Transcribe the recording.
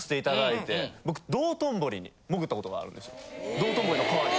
・道頓堀の川に。